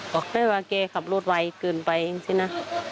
บอกว่าเกรียร์ขับรถไวเกินไปอย่างเงี้ยนะ